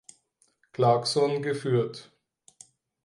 Clarkson geführt.